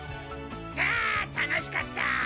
ああ楽しかった！